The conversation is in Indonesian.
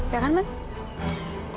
ya kan man